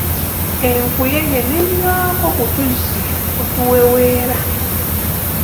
Enkuyege n'enywako kutuzzi otuweweera.